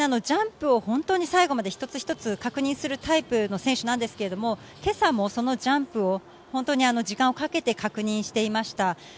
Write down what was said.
ジャンプを最後まで一つ一つ確認するタイプの選手なんですけれども今朝もそのジャンプを時間をかけて確認していました。